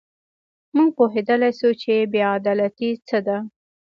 موږ پوهېدلای شو چې بې عدالتي څه ده.